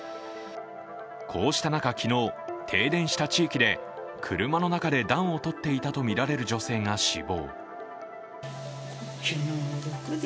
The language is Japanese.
こうした中、昨日、停電した地域で車の中で暖を取っていたとみられる女性が死亡。